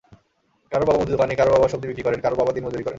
কারও বাবা মুদিদোকানি, কারও বাবা সবজি বিক্রি করেন, কারও বাবা দিনমজুরি করেন।